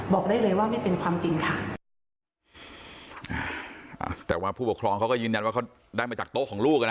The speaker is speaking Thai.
บอกได้เลยว่าไม่เป็นความจริงค่ะอ่าแต่ว่าผู้ปกครองเขาก็ยืนยันว่าเขาได้มาจากโต๊ะของลูกอ่ะนะ